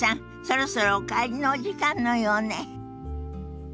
そろそろお帰りのお時間のようね。